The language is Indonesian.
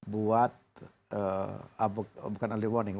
buat bukan early warning